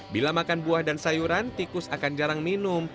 bila makan buah dan sayuran tikus akan jarang minum